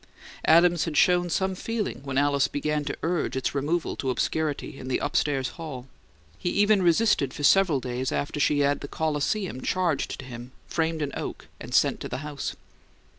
Adams had shown some feeling when Alice began to urge its removal to obscurity in the "upstairs hall"; he even resisted for several days after she had the "Colosseum" charged to him, framed in oak, and sent to the house.